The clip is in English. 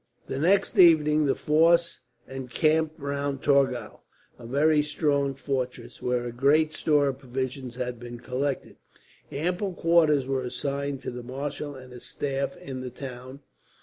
The next evening the force encamped round Torgau, a very strong fortress, where a great store of provisions had been collected. Ample quarters were assigned to the marshal and his staff in the town.